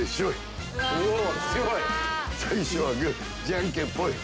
じゃんけんポイ！